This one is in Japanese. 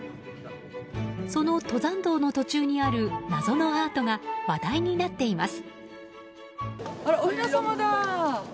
その登山道の途中にある謎のアートが話題になっています。